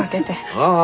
ああ。